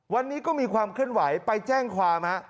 วันนี้ก็มีความเคลื่อนไหวไปแจ้งความฮะ